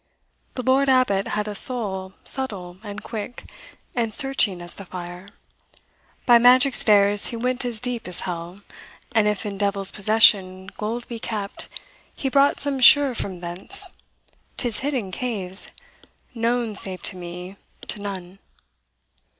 The Lord Abbot had a soul Subtile and quick, and searching as the fire; By magic stairs he went as deep as hell, And if in devils' possession gold be kept, He brought some sure from thence 'tis hid in caves, Known, save to me, to none.